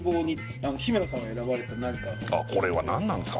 今回あっこれは何なんですか？